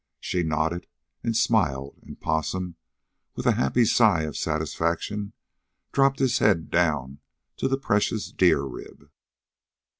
She nodded and smiled, and Possum, with a happy sigh of satisfaction, dropped his head down to the precious deer rib.